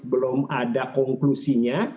belum ada konklusinya